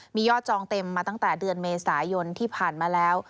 มียอดจองเต็มมาตั้งแต่เดือนเมษายนที่ผ่านมาแล้ว